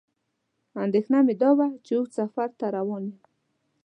اندېښنه مې دا وه چې اوږد سفر ته روان یم.